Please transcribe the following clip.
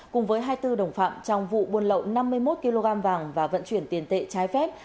cùng với hai mươi bốn đồng phạm trong vụ buôn lậu năm mươi một kg vàng và vận chuyển tiền tệ trái phép